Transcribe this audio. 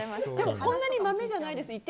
でもそんなにまめじゃないです。